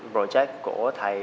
project của thầy